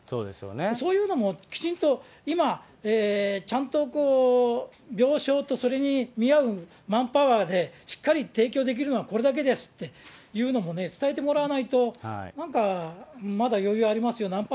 そういうのもきちんと今、ちゃんと病床と、それに見合うマンパワーで、しっかり提供できるのはこれだけですっていうのも伝えてもらわな